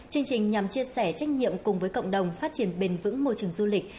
chương trình nhằm chia sẻ trách nhiệm cùng với cộng đồng phát triển bền vững môi trường du lịch